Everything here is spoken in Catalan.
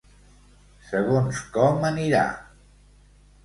Segons com anirà.